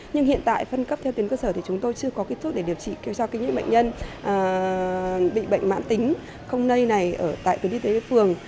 nhưng hiện tại phân cấp theo tuyến cơ sở thì chúng tôi chưa có kết thuốc để điều trị cho những bệnh nhân bị bệnh mãn tính không nây này ở tại tuyến y tế phường